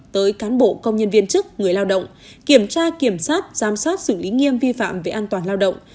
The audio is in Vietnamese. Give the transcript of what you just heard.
tới cán bộ công nhân viên chức người lao động kiểm tra kiểm soát giám sát xử lý nghiêm vi phạm về an toàn lao động